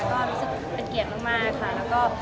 รู้สึกเป็นเกียรติมาก